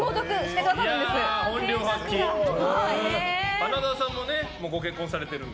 花澤さんもご結婚されてるので。